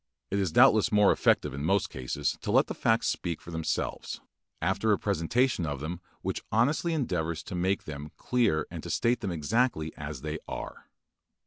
It is doubtless more effective in most cases to let the facts speak for themselves, after a presentation of them which honestly endeavors to make them clear and to state them exactly as they are.